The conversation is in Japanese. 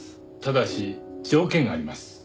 ただし条件があります。